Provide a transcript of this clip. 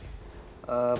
nyalah dari sini